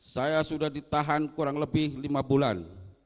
saya sudah ditahan kurang lebih lima bulan